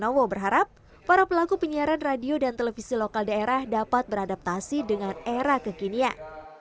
dan nowo berharap para pelaku penyiaran radio dan televisi lokal daerah dapat beradaptasi dengan era kekinian